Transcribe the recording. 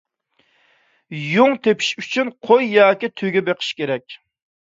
يۇڭ تېپىش ئۈچۈن قوي ياكى تۆگە بېقىش كېرەك.